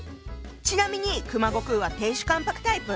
ちなみに熊悟空は亭主関白タイプ？